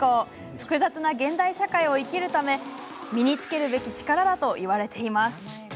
複雑な現代社会を生きるため身につけるべき力だといわれています。